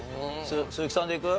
鈴木さんでいく？